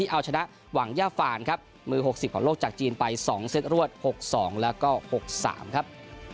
เอาชนะหวังย่าฟานครับมือ๖๐ของโลกจากจีนไป๒เซตรวด๖๒แล้วก็๖๓ครับ